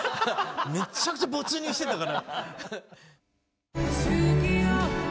めちゃくちゃ没入してたから。